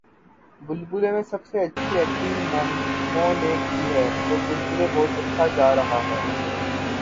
بلبلے میں سب سے اچھی ایکٹنگ مومو نے کی ہے اور بلبلے بہت اچھا جا رہا ہے